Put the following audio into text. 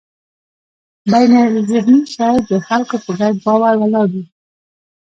بینالذهني شی د خلکو په ګډ باور ولاړ وي.